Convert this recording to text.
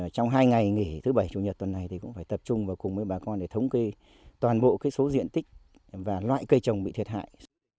trong hai ngày nghỉ thứ bảy chủ nhật tuần này thì cũng phải tập trung vào cùng với bà con để thống kê toàn bộ số diện tích và loại cây trồng bị thiệt hại